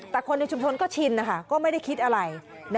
แต่คนในชุมชนก็ชินนะคะก็ไม่ได้คิดอะไร